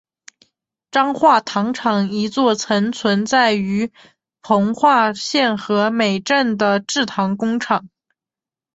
彰化糖厂一座曾存在于彰化县和美镇的制糖工厂。